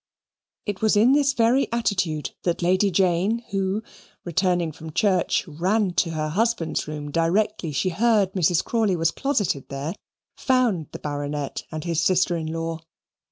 It was in this very attitude that Lady Jane, who, returning from church, ran to her husband's room directly she heard Mrs. Rawdon Crawley was closeted there, found the Baronet and his sister in law.